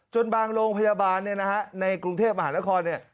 บางโรงพยาบาลเนี่ยนะฮะในกรุงเทพมหานครเนี่ย